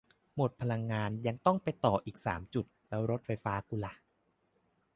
หมดพลังงาน ยังต้องไปต่ออีกสามจุด แล้วรถไฟฟ้ากูล่ะ